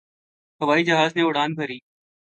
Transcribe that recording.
ہوائی جہاز نے اڑان بھری